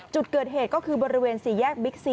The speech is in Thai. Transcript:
จุดเกิดเหตุก็คือบริเวณ๔แยกบิ๊กซี